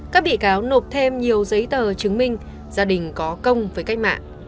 các bị cáo nộp thêm nhiều giấy tờ chứng minh gia đình có công với cách mạng